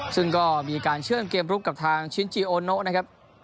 ซึ่งก็มีการเชื่อมเกมรุกกับทางนะครับ